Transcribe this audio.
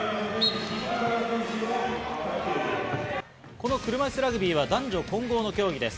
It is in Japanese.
この車いすラグビーは男女混合の競技です。